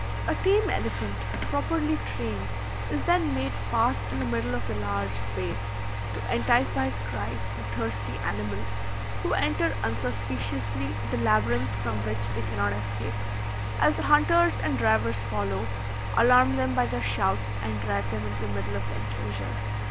A tame elephant, properly trained, is then made fast in the middle of the large space, to entice by his cries the thirsty animals, who enter unsuspiciously the labyrinth from which they cannot escape, as the hunters and drivers follow, alarm them by their shouts, and drive them into the middle of the enclosure.